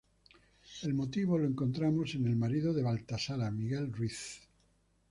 El motivo lo encontramos en el marido de Baltasara, Miguel Ruiz.